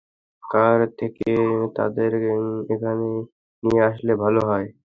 কার থেকে তাদের এখানে নিয়ে আসলে ভালো হয়।